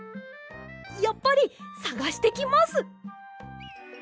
やっぱりさがしてきます！